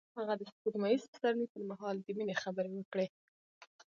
هغه د سپوږمیز پسرلی پر مهال د مینې خبرې وکړې.